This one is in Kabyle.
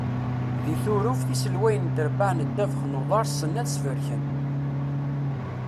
Di Turuft, iselwayen n trebbaɛ n ddabex n uḍar ssnen ad sfreken.